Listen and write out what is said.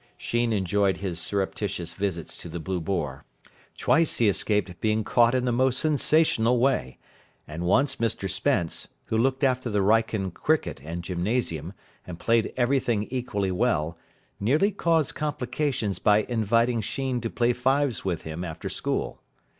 Sheen enjoyed his surreptitious visits to the "Blue Boar." Twice he escaped being caught in the most sensational way; and once Mr Spence, who looked after the Wrykyn cricket and gymnasium, and played everything equally well, nearly caused complications by inviting Sheen to play fives with him after school.